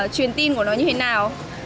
truyền tin của nó như thế nào